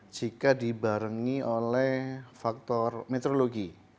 jika dibarengi oleh faktor meteorologi